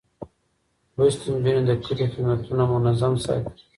لوستې نجونې د کلي خدمتونه منظم ساتي.